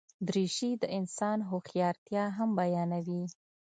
دریشي د انسان هوښیارتیا هم بیانوي.